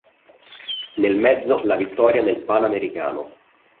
Nel mezzo la vittoria nel "Panamericano".